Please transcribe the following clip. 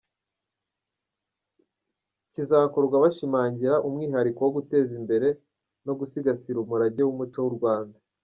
Kizakorwa bashimangira umwihariko wo guteza imbere no gusigasira umurage w’umuco w’u Rwanda.